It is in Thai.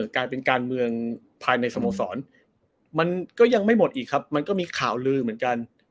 กลายเป็นการเมืองภายในสโมสรมันก็ยังไม่หมดอีกครับมันก็มีข่าวลือเหมือนกัน